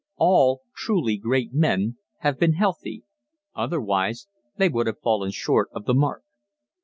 All truly great men have been healthy otherwise they would have fallen short of the mark.